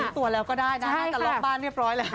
อาจจะรู้ตัวแล้วก็ได้นะอาจจะล้อมบ้านเรียบร้อยแล้ว